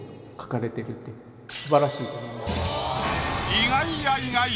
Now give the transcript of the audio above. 意外や意外！